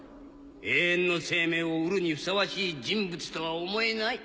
永遠の生命を得るにふさわしい人物とは思えない。